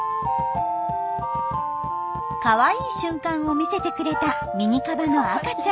カワイイ瞬間を見せてくれたミニカバの赤ちゃん。